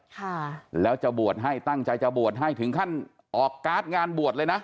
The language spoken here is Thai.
ค่ะแล้วจะบวชให้ตั้งใจจะบวชให้ถึงขั้นออกการ์ดงานบวชเลยนะ